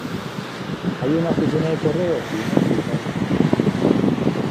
Hay una oficina de correos y un hospital.